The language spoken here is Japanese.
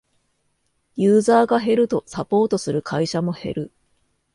ユーザーが減るとサポートする会社も減る